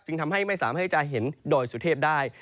ทำให้ไม่สามารถให้จะเห็นดอยสุเทพได้